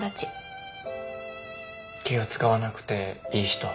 気を使わなくていい人？